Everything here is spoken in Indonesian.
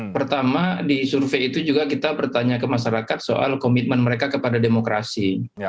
pertama di survei itu juga kita bertanya ke masyarakat soal komitmen mereka kepada demokrasi